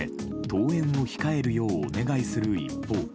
登園を控えるようお願いする一方